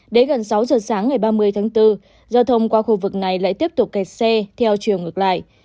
đến gần sáu giờ sáng ngày ba mươi tháng bốn giao thông qua khu vực này lại tiếp tục kẹt xe theo chiều ngược lại